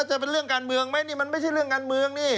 จะเป็นเรื่องการเมืองไหมนี่มันไม่ใช่เรื่องการเมืองนี่